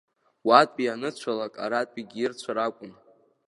Уатәи аныцәалак аратәиқәагьы ирцәар акәын.